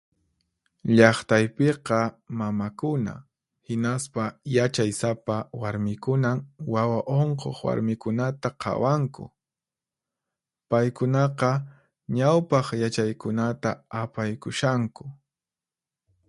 Llaqtaypiqa mamakuna, hinaspa yachaysapa warmikunan wawa unquq warmikunata qhawanku. Paykunaqa ñawpaq yachaykunata apaykushanku.